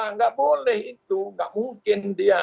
tidak boleh itu nggak mungkin dia